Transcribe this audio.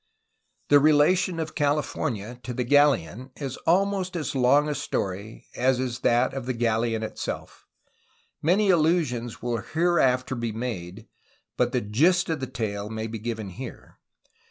The relation of California to the galleon is almost as long a story as is that of the galleon itself. Many allusions will hereafter be made, but the gist of the tale may be given here.